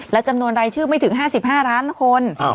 และจำนวนรายชื่อไม่ถึง๕๕ล้านคน